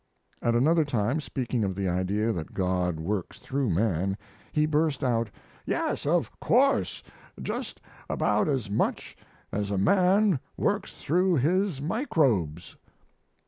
At another time, speaking of the idea that God works through man, he burst out: "Yes, of course, just about as much as a man works through his microbes!"